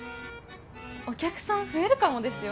お客さん増えるかもですよ。